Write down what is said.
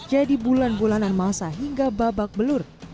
jadi bulan bulanan masa hingga babak belur